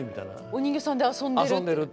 お人形さんで遊んでる？